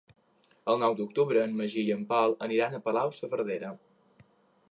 El nou d'octubre en Magí i en Pol aniran a Palau-saverdera.